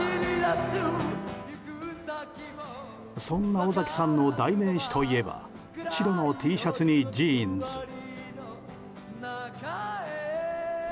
そんな尾崎さんの代名詞といえば白のＴシャツにジーンズ。